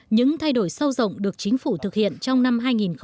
những thay đổi sâu rộng được chính phủ thực hiện trong năm hai nghìn một mươi tám